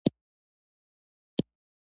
لا تیاره خپره شوې نه وه، خو وېره خپره شوې وه.